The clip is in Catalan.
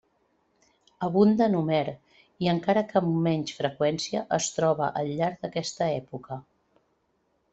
Abunda en Homer i encara que amb menys freqüència es troba al llarg d'aquesta època.